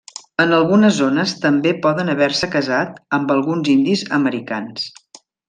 En algunes zones també poden haver-se casat amb alguns indis americans.